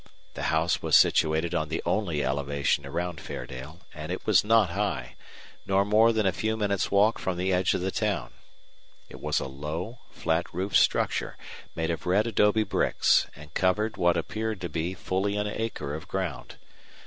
The house was situated on the only elevation around Fairdale, and it was not high, nor more than a few minutes' walk from the edge of the town. It was a low, flat roofed structure made of red adobe bricks, and covered what appeared to be fully an acre of ground.